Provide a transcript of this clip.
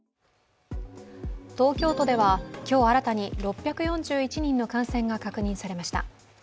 東京都では、今日新たに６４１人の感染が確認されました。